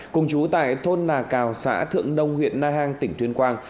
cùng chú tại thôn nà cào xã thượng đông huyện nai hang tỉnh tuyên quang